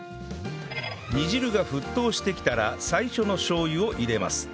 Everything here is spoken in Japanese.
煮汁が沸騰してきたら最初のしょう油を入れます